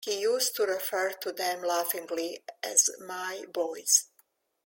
He used to refer to them, laughingly, as 'My Boys'.